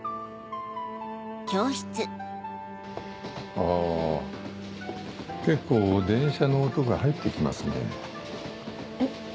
あぁ結構電車の音が入って来ますね。えっ。